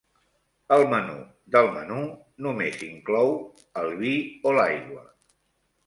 El menú del menú només inclou el vi o l'aigua.